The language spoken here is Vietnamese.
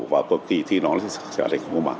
và cuộc kỳ thi nó sẽ thành công không ạ